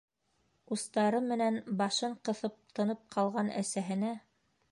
Устары менән башын ҡыҫып тынып ҡалған әсәһенә